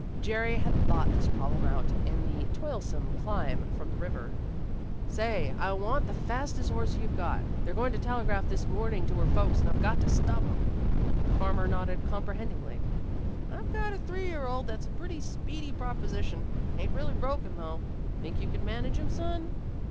Jerry had thought this problem out in the toilsome climb from the river. "Say, I want the fastest horse you've got. They're going to telegraph this morning to her folks and I've got to stop 'em." The farmer nodded comprehendingly. "I've got a three year old that's a pretty speedy proposition. Ain't really broken, though. Think you can manage him, son?"